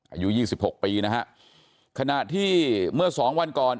อายุ๒๖ปีนะฮะขณะที่เมื่อ๒วันก่อน